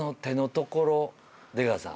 出川さん。